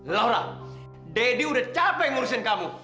laura deddy udah capek ngurusin kamu